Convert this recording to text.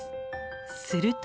すると。